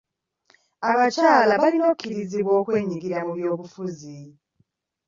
Abakyala balina okukubirizibwa okwenyigira mu by'obufuzi.